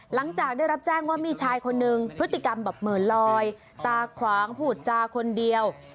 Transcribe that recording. หลังจากได้รับแจ้งว่ามีชายคนหนึ่งพฤติกรรมแบบเหมือนลอยตาขวางพูดจาคนเดียว